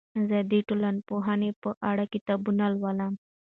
زه د ټولنپوهنې په اړه کتابونه لولم.